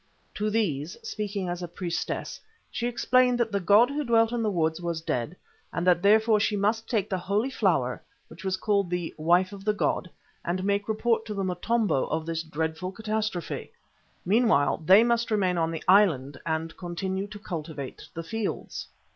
To these, speaking as a priestess, she explained that the god who dwelt in the woods was dead, and that therefore she must take the Holy Flower, which was called "Wife of the god" and make report to the Motombo of this dreadful catastrophe. Meanwhile, they must remain on the island and continue to cultivate the fields.